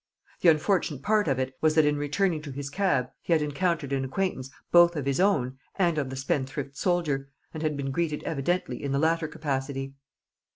The unfortunate part of it was that in returning to his cab he had encountered an acquaintance both of his own and of the spendthrift soldier, and had been greeted evidently in the latter capacity.